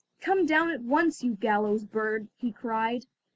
"Come down at once, you gallows bird," he cried.